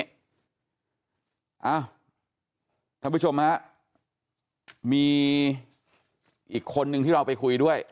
เอ้าท่านผู้ชมฮะมีอีกคนนึงที่เราไปคุยด้วย